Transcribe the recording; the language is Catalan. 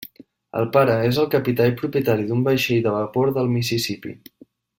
El pare és el capità i propietari d'un vaixell de vapor del Mississipí.